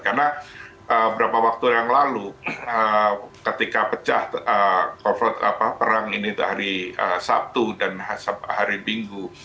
karena beberapa waktu yang lalu ketika pecah perang ini hari sabtu dan hari minggu